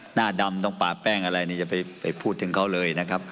หน้าดำต้องปาบแป้งอะไรนี่อย่าไปพูดถึงเขาเลยนะครับ